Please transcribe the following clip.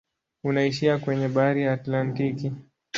Unaishia kwenye bahari ya Atlantiki.